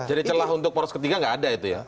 jadi celah untuk poros ketiga enggak ada itu ya